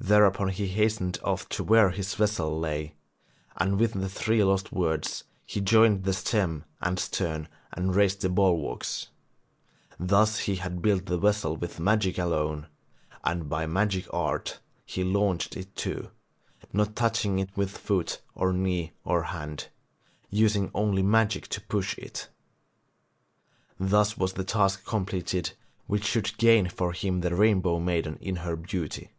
Thereupon he hastened off to where his vessel lay, and with the three lost words he joined the stem and stern and raised the bulwarks. Thus he had built the vessel with magic alone, and by magic art he launched it too, not touching it with foot or knee or hand, using only magic to push it. Thus was the task completed which should gain for him the Rainbow maiden in her beauty.